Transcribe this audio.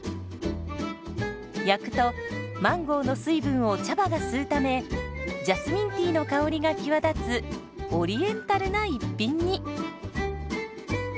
焼くとマンゴーの水分を茶葉が吸うためジャスミンティーの香りが際立つオリエンタルな一品に。